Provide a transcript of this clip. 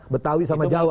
betawi sama jawa